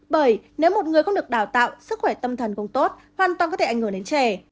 bởi nếu một người không được đào tạo sức khỏe tâm thần không tốt hoàn toàn có thể ảnh hưởng đến trẻ